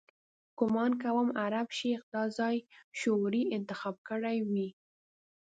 ګومان کوم عرب شیخ دا ځای شعوري انتخاب کړی وي.